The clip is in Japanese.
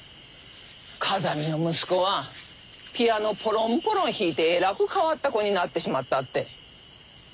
風見の息子はピアノポロンポロン弾いてえらく変わった子になってしまったって。